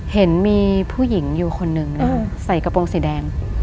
เห็นมีผู้หญิงอยู่คนหนึ่งใส่กระโปรงสีแดง